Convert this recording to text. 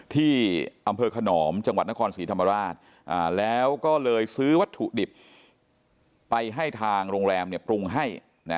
ที่อำเภอขนอมจังหวัดนครศรีธรรมราชแล้วก็เลยซื้อวัตถุดิบไปให้ทางโรงแรมปรุงให้